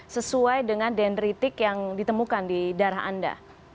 sesuai dengan dendritik yang ditemukan di darah anda